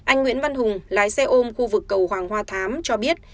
anh nguyễn văn hùng lái xe ôm khu vực cầu hoàng hoa thám cho biết